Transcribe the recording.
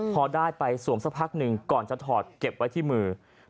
พอได้ไปสวมสักพักหนึ่งก่อนจะถอดเก็บไว้ที่มือ